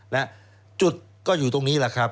และจุดก็อยู่ตรงนี้